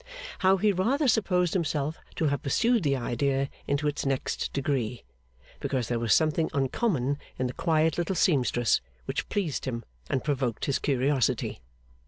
How he rather supposed himself to have pursued the idea into its next degree, because there was something uncommon in the quiet little seamstress, which pleased him and provoked his curiosity.